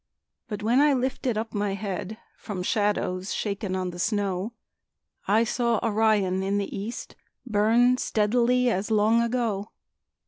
But when I lifted up my head From shadows shaken on the snow, I saw Orion in the east Burn steadily as long ago.